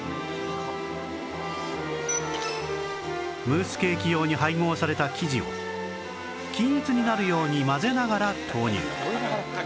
ムースケーキ用に配合された生地を均一になるように混ぜながら投入